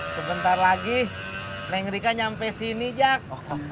sebentar lagi neng rika nyampe sini jack